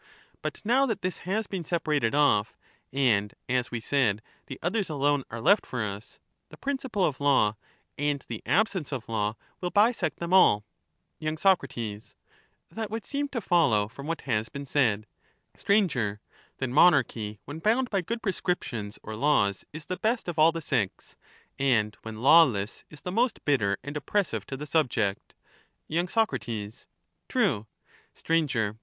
But now that this has been separated off, and, as we said, the others alone are lefl for us, the principle of law and the absence of law will bisect them all. y. Sac. That would seem to follow, from what has been said. Str. Then monarchy, when bound by good prescriptions Monarchy, or laws, is the best of all the six, and when lawless is the 0"^!^°"" most bitter and oppressive to the subject. is the best; Y.SOC. True. and in the form of 303 Str.